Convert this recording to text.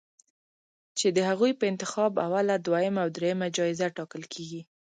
چې د هغوی په انتخاب اوله، دویمه او دریمه جایزه ټاکل کېږي